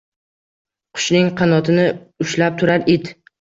Qushning qanotini ushlab turar it —